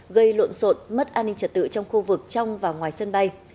gây luộn rộn mất an ninh trật tự trong khu vực trong và ngoài sân bay